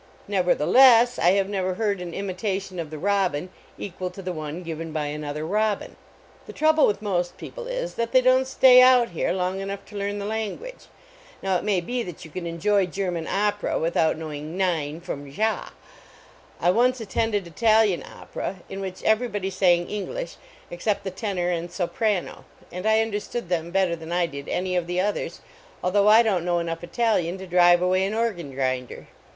Nevertheless, I have never heard an imita tion of the robin equal to the one given by another robin. The trouble with most peo ple is that they don t >tay out here long enough to learn the language. Now it may IK that you can enjoy German opera without knowing "nein" from " j I once attended Italian opera, in which everybody sang KnglMi except the tenor and 159 THE KATYDID IN OPERA soprano, and I understood them better than I did any of the others, although I don t know enough Italian to drive away an organ grinder.